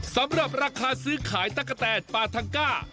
สำหรับราคาซื้อขายตั๊กกะแตนปาทังก้า